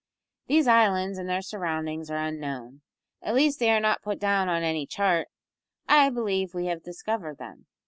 These islands and their surroundings are unknown at least they are not put down on any chart; I believe we have discovered them.